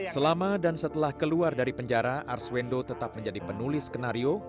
selama dan setelah keluar dari penjara arswendo tetap menjadi penulis skenario